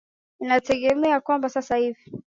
inategemewa kwamba sasa hivi